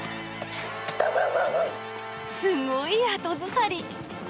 すごい後ずさり。